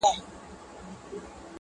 هغه چي ته یې د غیرت له افسانو ستړی سوې-